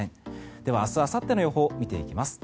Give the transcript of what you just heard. では明日あさっての予報を見ていきます。